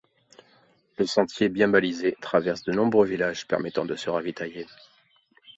Le sentier, bien balisé, traverse de nombreux villages permettant de se ravitailler.